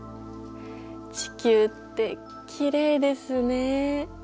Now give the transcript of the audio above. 地球ってきれいですね。